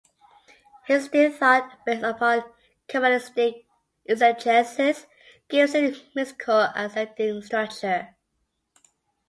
Hasidic thought, based upon Kabbalistic exegesis, gives it a mystical ascending structure.